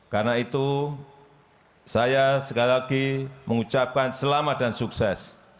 karena itu saya sekali lagi mengucapkan selamat dan sukses